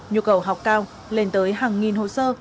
nhu cầu học cao lên tới hàng nghìn hồ sơ